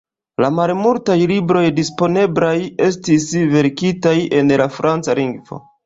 La malmultaj libroj disponeblaj estis verkitaj en la franca lingvo.